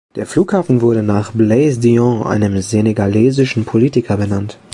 Der Flughafen wurde nach Blaise Diagne, einem senegalesischen Politiker, benannt.